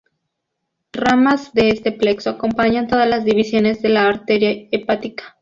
Ramas de este plexo acompañan todas las divisiones de la arteria hepática.